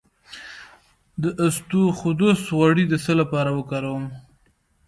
د اسطوخودوس غوړي د څه لپاره وکاروم؟